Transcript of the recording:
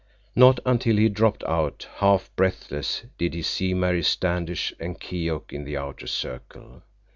Not until he dropped out, half breathless, did he see Mary Standish and Keok in the outer circle.